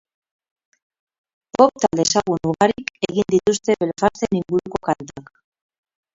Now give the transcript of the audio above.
Pop talde ezagun ugarik egin dituzte Belfasten inguruko kantak.